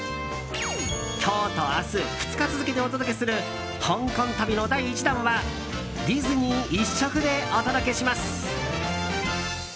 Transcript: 今日と明日２日続けてお届けする香港旅の第１弾はディズニー一色でお届けします。